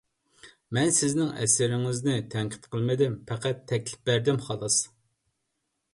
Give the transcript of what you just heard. مەن سىزنىڭ ئەسىرىڭىزنى تەنقىد قىلمىدىم، پەقەت تەكلىپ بەردىم، خالاس.